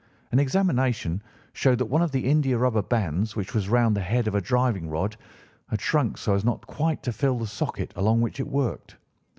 An examination showed that one of the india rubber bands which was round the head of a driving rod had shrunk so as not quite to fill the socket along which it worked.